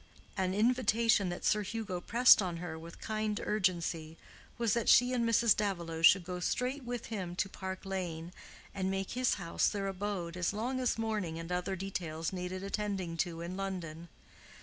An invitation that Sir Hugo pressed on her with kind urgency was that she and Mrs. Davilow should go straight with him to Park Lane, and make his house their abode as long as mourning and other details needed attending to in London.